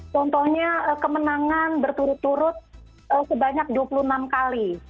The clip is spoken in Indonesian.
contohnya kemenangan berturut turut sebanyak dua puluh enam kali